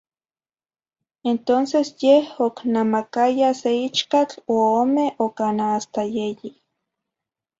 Entonces yeh ocnamacaya ce ichcatl o ome o cana hasta yeyi.